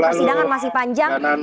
persidangan masih panjang